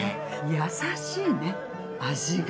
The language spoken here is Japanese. やさしいね味が。